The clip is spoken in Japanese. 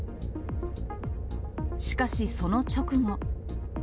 しかし、その直後。